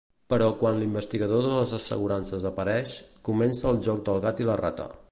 Però quan l'investigador de les assegurances apareix, comença el joc del gat i la rata.